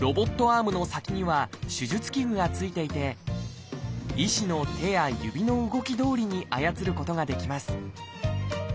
アームの先には手術器具が付いていて医師の手や指の動きどおりに操ることができます